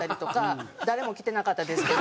誰も着てなかったですけど。